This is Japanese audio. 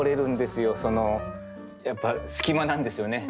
やっぱ隙間なんですよね。